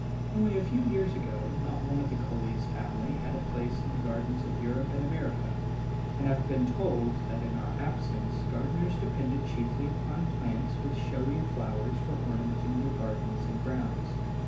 Only a few years ago, not one of the Coleus family had a place in the gardens of Europe and America, and I have been told that in our absence gardeners depended chiefly upon plants with showy flowers for ornamenting their gardens and grounds.